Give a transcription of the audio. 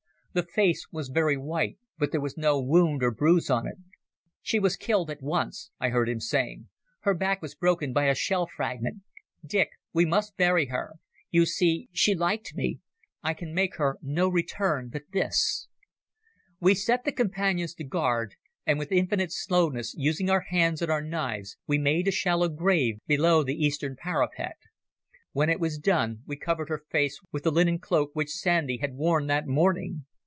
The face was very white but there was no wound or bruise on it. "She was killed at once," I heard him saying. "Her back was broken by a shell fragment. Dick, we must bury her here ... You see, she ... she liked me. I can make her no return but this." We set the Companions to guard, and with infinite slowness, using our hands and our knives, we made a shallow grave below the eastern parapet. When it was done we covered her face with the linen cloak which Sandy had worn that morning.